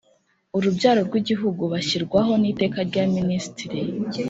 Urubyaro rw igihugu bashyirwaho n iteka rya ministiri